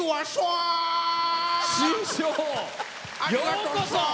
ようこそ！